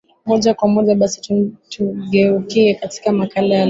moja kwa moja basi tugeukie katika makala ya leo